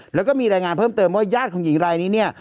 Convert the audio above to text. แล้วก็มีรายงานเพิ่มเติมว่าญาติของหญิงรายนี้เนี่ย